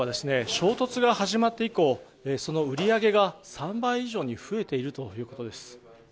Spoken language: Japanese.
衝突が始まって以降その売り上げが３倍以上に増えているということです。